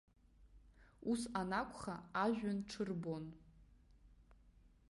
Ус анакәха, ажәҩан ҽырбон.